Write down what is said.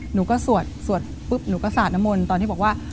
หนูก็สวดสวดปุ๊บหนูก็สาดน้ำมนต์ตอนที่บอกว่า